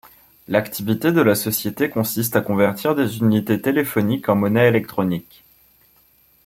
L’activité de la société consiste à convertir des unités téléphoniques en monnaie électronique.